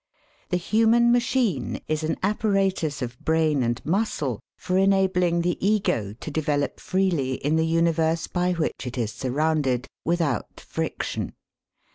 The human machine is an apparatus of brain and muscle for enabling the Ego to develop freely in the universe by which it is surrounded, without friction.